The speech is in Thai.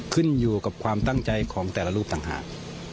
ขึ้นอยู่กับความตั้งใจของแต่ละรูปต่างหาก